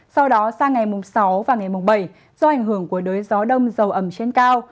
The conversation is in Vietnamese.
sau đó sang ngày sáu và ngày bảy do ảnh hưởng của đới gió đông dầu ẩm trên cao